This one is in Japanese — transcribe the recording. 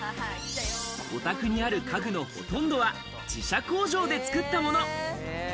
お宅にある家具のほとんどは自社工場で作ったもの。